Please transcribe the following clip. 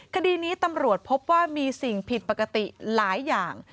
คดีนี้ตำรวจพบว่ามีสิ่งผิดปกติหลายอย่าง